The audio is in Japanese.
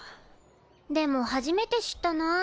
でも初めて知ったな。